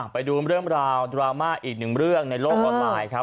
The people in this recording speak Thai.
ไปดูเรื่องราวดราม่าอีกหนึ่งเรื่องในโลกออนไลน์ครับ